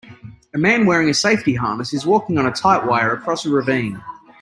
A man wearing a safety harness is walking on a tight wire across a ravine.